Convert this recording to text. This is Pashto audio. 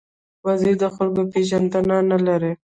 وزې د خلکو پېژندنه لري